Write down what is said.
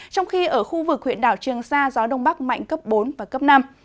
trong khi ở khu vực huyện đảo trường sa gió đông bắc mạnh cấp bốn và cấp năm